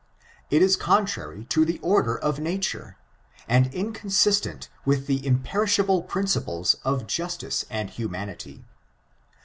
It is contrary to the order of nature, and inconsistent with the imperishable principles of justice and humanity.